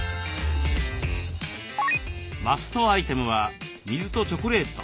マストアイテムは水とチョコレート。